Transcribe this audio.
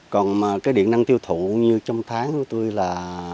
còn cái điện năng tiêu thụ như trong tháng của tôi là